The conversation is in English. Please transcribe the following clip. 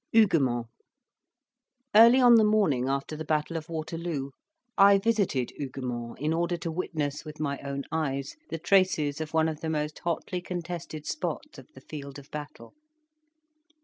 HUGUEMONT Early on the morning after the battle of Waterloo, I visited Huguemont, in order to witness with my own eyes the traces of one of the most hotly contested spots of the field of battle.